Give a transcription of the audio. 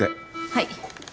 はい。